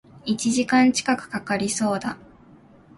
一時間近く掛かりそうだ